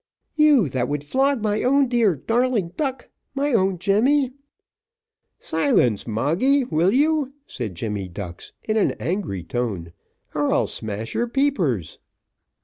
"You, that would flog my own dear darling duck my own Jemmy." "Silence! Moggy, will you?" said Jemmy Ducks, in an angry tone, "or I'll smash your peepers."